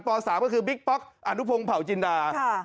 ป๓ก็คือบิ๊กป๊อกอนุพงศ์เผาจินดา